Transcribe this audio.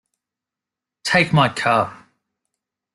Take my car.